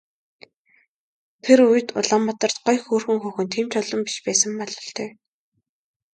Тэр үед Улаанбаатарт гоё хөөрхөн хүүхэн тийм ч олон биш байсан бололтой.